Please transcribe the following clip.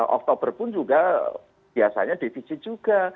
oktober pun juga biasanya defisit juga